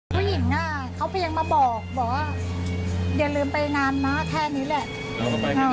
ผู้หญิงอ่ะเขาเพียงมาบอกบอกว่าอย่าลืมไปงานมาแค่นี้นะครับ